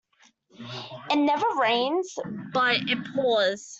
It never rains but it pours.